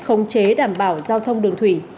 khống chế đảm bảo giao thông đường thủy